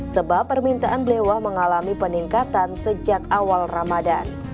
sebab permintaan blewah mengalami peningkatan sejak awal ramadan